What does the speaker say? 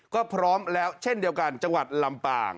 ก็พร้อมแล้วเช่นเดียวกันจังหวัดลำปาง